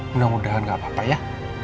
mudah mudahan gak apa apa ya